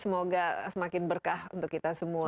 semoga semakin berkah untuk kita semua